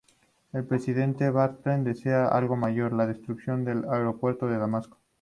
El Presidente Bartlet desea algo mayor: la destrucción del Aeropuerto de Damasco.